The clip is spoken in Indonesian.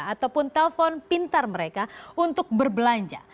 ataupun telpon pintar mereka untuk berbelanja